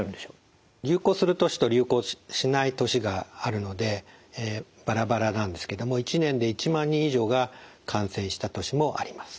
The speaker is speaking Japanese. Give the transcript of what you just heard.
流行する年と流行しない年があるのでバラバラなんですけども１年で１万人以上が感染した年もあります。